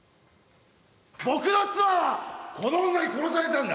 僕の妻はこの女に殺されたんだ。